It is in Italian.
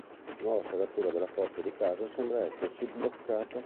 La nuova serratura della porta di casa sembra essersi bloccata.